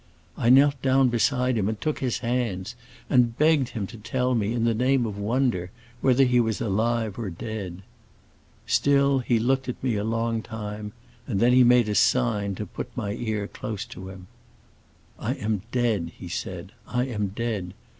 I knelt down beside him and took his hands, and begged him to tell me, in the name of wonder, whether he was alive or dead. Still he looked at me a long time, and then he made me a sign to put my ear close to him: 'I am dead,' he said, 'I am dead.